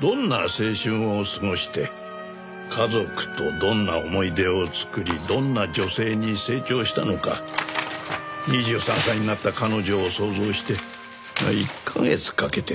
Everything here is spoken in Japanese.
どんな青春を過ごして家族とどんな思い出を作りどんな女性に成長したのか２３歳になった彼女を想像して１カ月かけて描き上げた。